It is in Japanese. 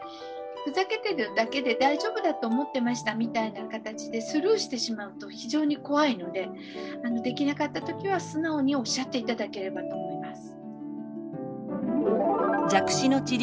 ふざけてるだけで大丈夫だと思ってましたみたいな形でスルーしてしまうと非常に怖いのでできなかった時は素直におっしゃって頂ければと思います。